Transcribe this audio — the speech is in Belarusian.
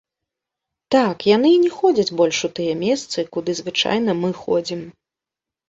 Так, яны і не ходзяць больш у тыя месцы, куды звычайна мы ходзім.